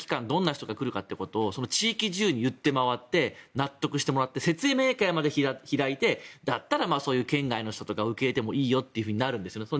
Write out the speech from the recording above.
どんな人が来るかということを地域中、言ってもらって納得してもらって説明会まで開いてだったら、県外の人とか受け入れていいよとかなるんですよ。